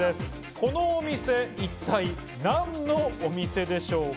このお店、一体何の店でしょうか？